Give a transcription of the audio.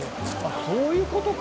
そういうことか！